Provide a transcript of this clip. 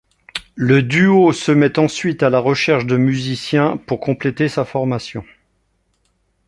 Le duo se met ensuite à la recherche de musiciens pour compléter sa formation.